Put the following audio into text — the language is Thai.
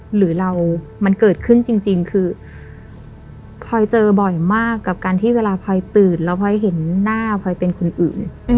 หรือเรามันเกิดขึ้นจริงคือพลอยเจอบ่อยมากกับการที่เวลาพลอยตื่นแล้วพลอยเห็นหน้าพลอยเป็นคนอื่น